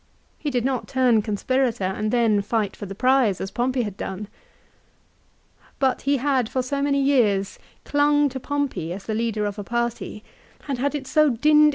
He did not turn conspirator and then fight for the prize as Pompey had done. But he had, for so many years, clung to Pompey as the leader of a party, had had it so dinned AFTER THE BATTLE.